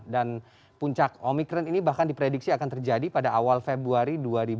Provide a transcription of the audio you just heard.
dan puncak omicron ini bahkan diprediksi akan terjadi pada awal februari dua ribu dua puluh dua